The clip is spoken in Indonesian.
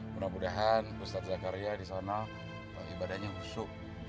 mudah mudahan ustadz zakaria disana ibadahnya husu